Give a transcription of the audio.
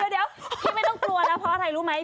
เดี๋ยวพี่ไม่ต้องกลัวล่ะพอไตรรู้ไหม